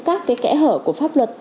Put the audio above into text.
các cái kẽ hở của pháp luật